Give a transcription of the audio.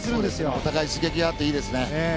お互い刺激があっていいですね。